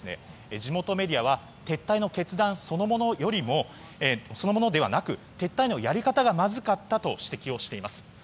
地元メディアは撤退の決断そのものではなく撤退のやり方がまずかったと指摘をしています。